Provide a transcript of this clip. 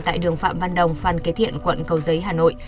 tại đường phạm văn đồng phan kế thiện quận cầu giấy hà nội